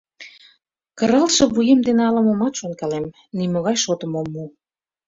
Кыралтше вуем дене ала-момат шонкалем — нимогай шотым ом му.